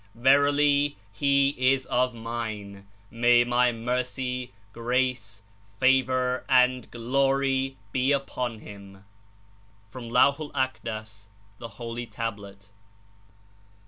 Verily, he is of Mine. May My Mercy, (^race. Favor and (jlory be unto him '/' (From Laivh i'l .ndas—Thc Holy Tablet.)